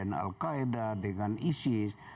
dengan seda dengan isis